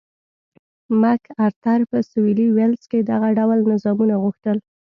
مک ارتر په سوېلي ویلز کې دغه ډول نظامونه غوښتل.